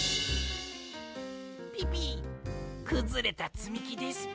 ピピくずれたつみきですぷ。